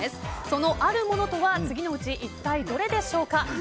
そのあるものとは次のうち一体どれでしょうか。